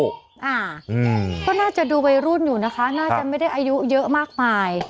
อ่าอืมก็น่าจะดูวัยรุ่นอยู่นะคะน่าจะไม่ได้อายุเยอะมากมาย